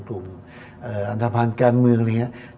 กลุ่มอันทภัณฑ์การเมืองอะไรอย่างนี้